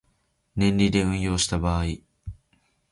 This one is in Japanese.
年利で運用した場合